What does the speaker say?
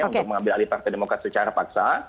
untuk mengambil alih partai demokrat secara paksa